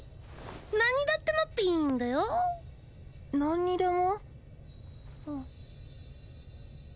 何にだってなっていいんだよ何にでも？